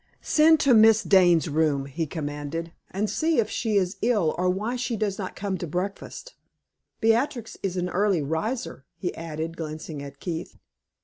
"Send to Miss Dane's room," he commanded, "and see if she is ill, or why she does not come to breakfast. Beatrix is an early riser," he added, glancing at Keith.